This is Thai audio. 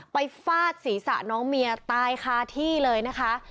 ฟาดศีรษะน้องเมียตายคาที่เลยนะคะ